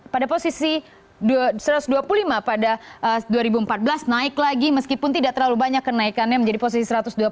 pada posisi satu ratus dua puluh lima pada dua ribu empat belas naik lagi meskipun tidak terlalu banyak kenaikannya menjadi posisi satu ratus dua puluh